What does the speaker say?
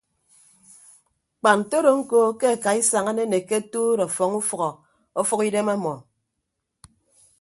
Kpa ntodo ñko ke akaisañ anenekke atuut ọfọñ ufʌhọ ọfʌk idem ọmọ.